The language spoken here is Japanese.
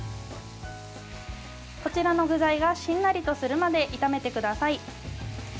こちらの具材がしんなりするまで炒めてください。